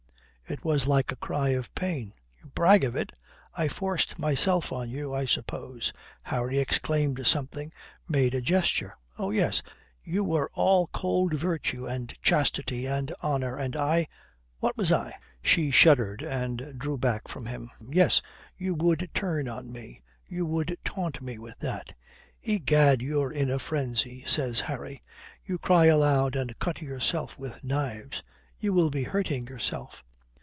It was like a cry of pain. "You brag of it. I forced myself on you, I suppose." Harry exclaimed something, made a gesture. "Oh yes, you were all cold virtue and chastity and honour, and I what was I?" She shuddered and drew back from him. "Yes, you would turn on me. You would taunt me with that." "Egad, you're in a frenzy," says Harry. "You cry aloud and cut yourself with knives. You will be hurting yourself."